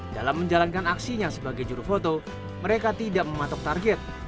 dalam menjalankan aksinya sebagai juru foto mereka tidak mematok target